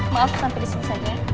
maaf sampai disini saja